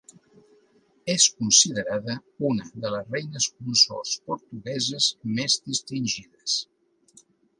És considerada una de les reines consorts portugueses més distingides.